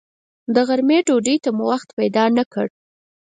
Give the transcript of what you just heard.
د غرمې ډوډۍ ته مو وخت پیدا نه کړ.